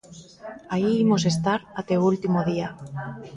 Aí imos estar até o último día.